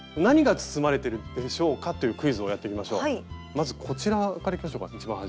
まずこちらからいきましょうか一番端。